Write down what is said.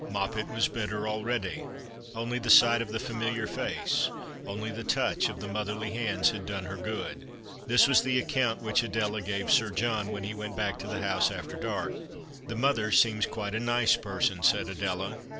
Moppet was better already. Ouly the sight of the familiar face, only the touch of the motherly hands, had done her good. This was the account which Adela gave 8ir John when he went back to the house after dark. " The mother seems quite a nice person," said Adela.